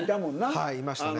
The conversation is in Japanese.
はい、いましたね。